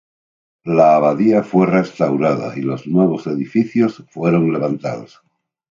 La abadía fue restaurada y los nuevos edificios fueron levantados.